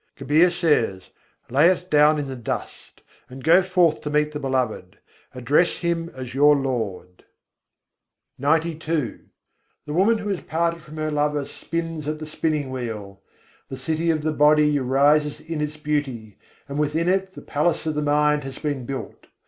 Kabîr says: "Lay it down in the dust, and go forth to meet the Beloved. Address Him as your Lord." XCII III. 110. carkhâ calai surat virahin kâ The woman who is parted from her lover spins at the spinning wheel. The city of the body arises in its beauty; and within it the palace of the mind has been built.